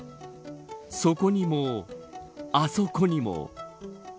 そこにも、あそこにも。